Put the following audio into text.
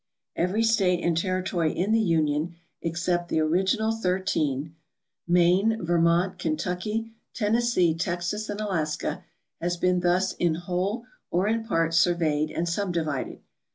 Every state and territory in the Union except the original thirteen, Maine, Vermont, Kentucky, Tennessee, Texas, and Alaska, has been thus in whole or in part surveyed and subdivided.